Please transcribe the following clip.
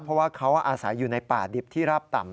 เพราะว่าเขาอาศัยอยู่ในป่าดิบที่ราบต่ำ